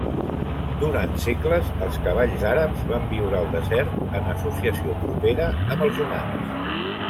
Durant segles, els cavalls àrabs van viure al desert en associació propera amb els humans.